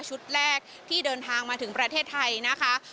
ชุดแรกที่เดินทางมาถึงประเทศไทยนะคะ